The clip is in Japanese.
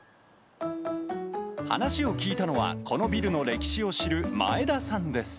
話を聞いたのは、このビルの歴史を知る前田さんです。